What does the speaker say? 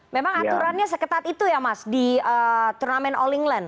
memang aturannya seketat itu ya mas di turnamen all england